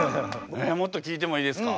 もっと聞いてもいいですか？